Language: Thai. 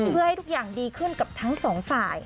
เพื่อให้ทุกอย่างดีขึ้นกับทั้งสองฝ่าย